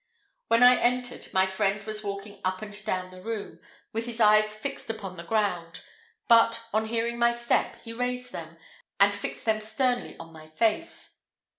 When I entered, my friend was walking up and down the room, with his eyes fixed upon the ground; but, on hearing my step, he raised them, and fixed them sternly on my face.